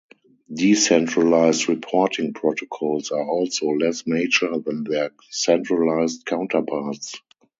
Decentralised reporting protocols are also less mature than their centralised counterparts.